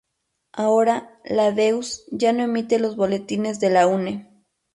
Ahora, La Deux ya no emite los boletines de La Une.